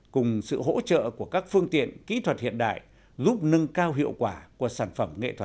cùng sự hỗ trợ của các phương tiện kỹ thuật hiện đại giúp nâng cao hiệu quả của sản phẩm nghệ thuật